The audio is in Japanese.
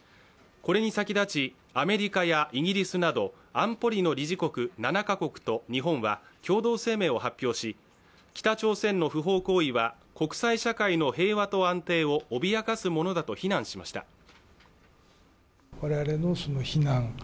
これに先立ち、アメリカやイギリスなど安保理の理事国７カ国と日本は共同声明を発表し、北朝鮮の不法行為は国際社会の平和と安定を、脅かすものだと非難しました。